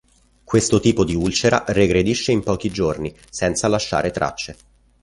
Questo tipo di ulcera regredisce in pochi giorni senza lasciare tracce.